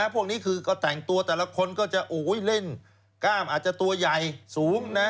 พวกนี้คือก็แต่งตัวแต่ละคนก็จะเล่นกล้ามอาจจะตัวใหญ่สูงนะ